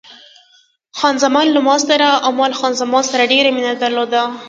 خان زمان له ما سره او ما له خان زمان سره ډېره مینه درلوده.